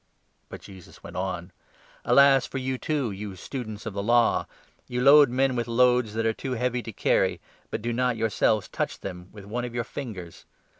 But Jesus went on : 46 "Alas for you, too, you Students of the Law! You load men with loads that are too heavy to carry, but do not, your selves, touch them with one of your fingers.